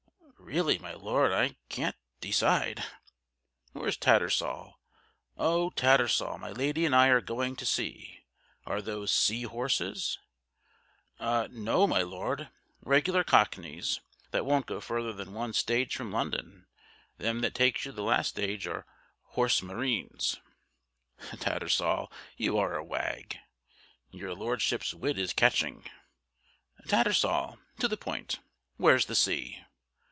"Really, my Lord, I can't de cide!" "Where's Tattersall? O Tattersall, my Lady and I are going to sea. Are those sea horses?" "No my Lord, regular cockneys, that won't go further than one stage from London; them that takes you the last stage are horse marines." "Tattersall, you are a wag." "Your Lordship's wit is catching." "Tattersall to the point; where's the sea?"